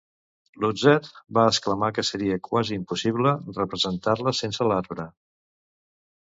L'Utzet va exclamar que seria quasi impossible representar-la sense l'arbre.